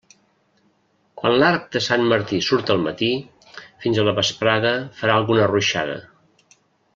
Quan l'arc de Sant Martí surt al matí, fins a la vesprada farà alguna ruixada.